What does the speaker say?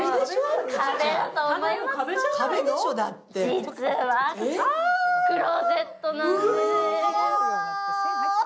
実はクローゼットなんです。